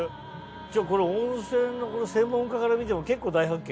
じゃあこれ温泉の専門家から見ても結構大発見？